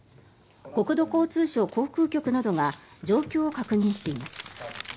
国土交通省航空局などが状況を確認しています。